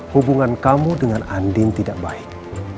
hubungan kamu dengan andin tidak baik